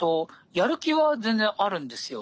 やる気は全然あるんですよ。